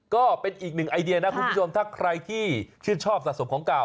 ก็เป็นอีกหนึ่งไอเดียนะคุณผู้ชมถ้าใครที่ชื่นชอบสะสมของเก่า